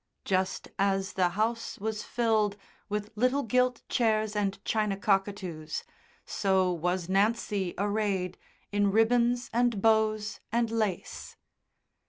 Just as the house was filled with little gilt chairs and china cockatoos, so was Nancy arrayed in ribbons and bows and lace.